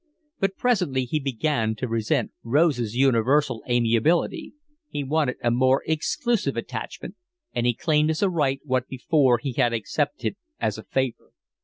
But presently he began to resent Rose's universal amiability; he wanted a more exclusive attachment, and he claimed as a right what before he had accepted as a favour.